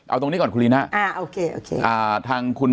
เอาตรงนี้ก่อนครูลีน่า